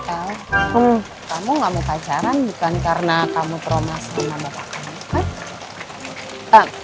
el kamu gak mau pacaran bukan karena kamu promos sama bapak kamu kan